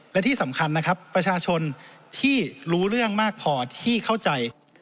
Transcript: และที่สำคัญนะครับประชาชนที่รู้เรื่องมากพอที่เข้าใจ